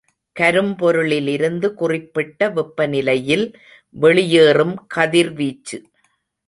கரும்பொருளிலிருந்து குறிப்பிட்ட வெப்பநிலையில் வெளியேறும் கதிர்வீச்சு.